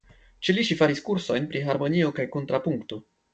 Ĉe li ŝi faris kursojn pri harmonio kaj kontrapunkto.